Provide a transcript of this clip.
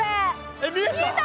えっ見えた？